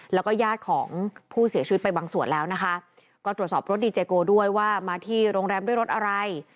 แล้วก็ญาติของผู้เสียชีวิตไปบางส่วนแล้วนะคะก็ตรวจสอบรถดีเจโกด้วยว่ามาที่โรงแรมด้วยรถอะไร